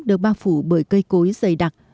được bao phủ bởi cây cối dày đặc